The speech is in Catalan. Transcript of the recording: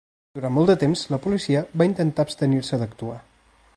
Durant molt de temps, la policia va intentar abstenir-se d'actuar.